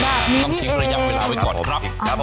จงคิดระยับเวลาไว้ก่อนครับ